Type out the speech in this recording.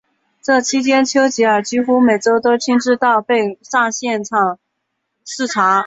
这期间丘吉尔几乎每周都亲自到被炸现场视察。